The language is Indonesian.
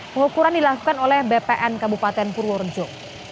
pengukuran dilakukan oleh bpn kabupaten purworejo